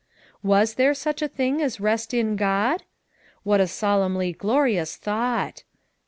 Was there such a thing as rest in God? What a solemnly glorious thought!